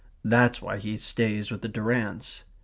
"That's why he stays with the Durrants.